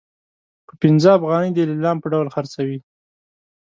په پنځه افغانۍ د لیلام په ډول خرڅوي.